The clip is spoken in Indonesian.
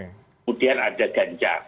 kemudian ada ganjar